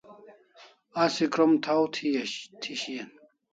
Asi krom thaw thi shian